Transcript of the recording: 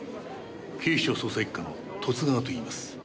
警視庁捜査一課の十津川といいます。